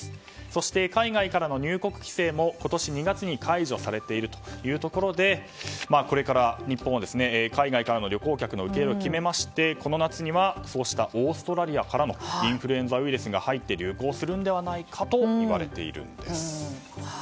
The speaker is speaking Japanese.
そして、海外からの入国規制も今年２月に解除されているというところでこれから日本は海外からの旅行客の受け入れを決めましてこの夏にはそうしたオーストラリアからのインフルエンザウイルスが入って、流行するのではないかといわれているんです。